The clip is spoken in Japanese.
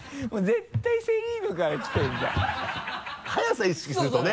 絶対「セリーヌ」からきてるじゃん早さ意識するとね。